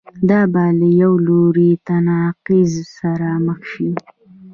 دا به له یوه لوی تناقض سره مخ شي.